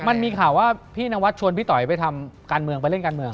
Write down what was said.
มันมีข่าวว่าพี่นวัดชวนพี่ต๋อยไปทำการเมืองไปเล่นการเมือง